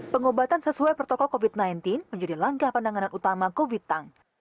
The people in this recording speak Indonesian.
pengobatan sesuai protokol covid sembilan belas menjadi langkah penanganan utama covid tank